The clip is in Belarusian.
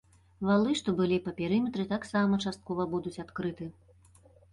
Валы, што былі па перыметры, таксама часткова будуць адкрыты.